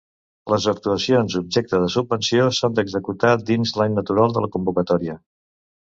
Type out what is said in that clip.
Les actuacions objecte de subvenció s'han d'executar dins l'any natural de la convocatòria.